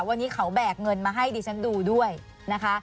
วันนี้เขาแบกเงินมาให้ดิฉันดูด้วยนะคะ